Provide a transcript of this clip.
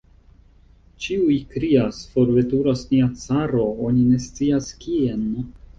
Ĉiuj krias: "forveturas nia caro, oni ne scias kien!"